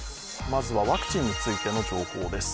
まずはワクチンについての情報です。